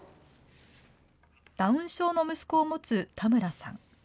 ダウン症の息子を持つ田村さん。